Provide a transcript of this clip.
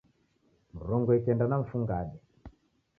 Mrongo ikenda na mfungade